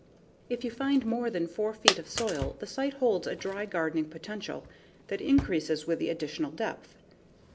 If you find more than 4 feet of soil, the site holds a dry gardening potential that increases with the additional depth.